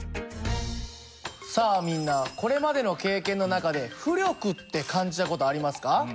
さあみんなこれまでの経験の中で浮力って感じた事ありますか？